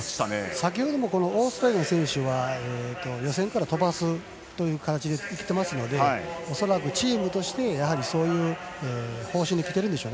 先ほどもオーストラリアの選手は予選から飛ばすという感じでいってますので恐らくチームとしてそういう方針できているんでしょう。